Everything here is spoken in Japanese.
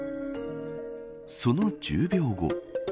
その１０秒後。